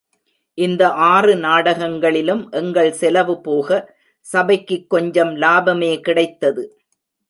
இந்த ஆறு நாடகங்களிலும் எங்கள் செலவு போக சபைக்குக் கொஞ்சம் லாபமே கிடைத்தது.